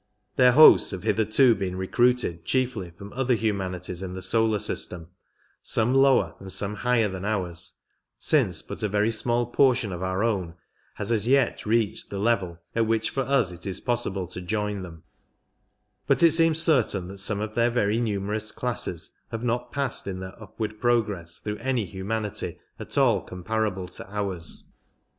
Their hosts have hitherto been recruited chiefly from other humanities in the solar system, some lower and some higher than ours, since but a very small portion of our own has as yet reached the level at which for us it is possible to join them \ but it seems certain that some of their very numerous classes have not passed in their upward progress through any humanity at all comparable to ours.